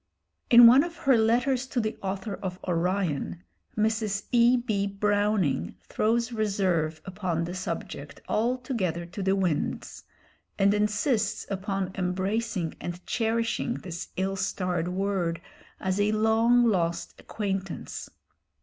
In one of her "Letters to the Author of Orion," Mrs. E. B. Browning throws reserve upon the subject altogether to the winds, and insists upon embracing and cherishing this ill starred word as a long lost acquaintance.